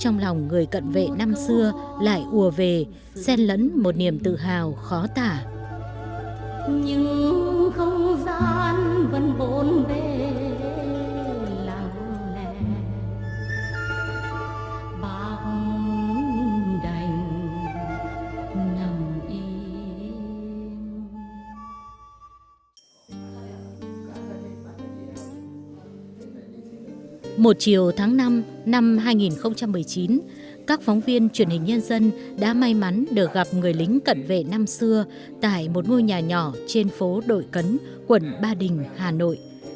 một chiều tháng năm năm hai nghìn một mươi chín các phóng viên truyền hình nhân dân đã may mắn được gặp người lính cận vệ năm xưa tại một ngôi nhà nhỏ trên phố đội cấn quận ba đình hà nội